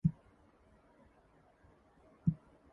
Gutang is the general secretary of the party.